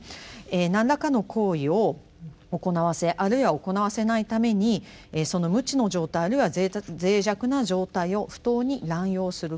何らかの行為を行わせあるいは行わせないためにその無知の状態あるいは脆弱な状態を不当に乱用する行為。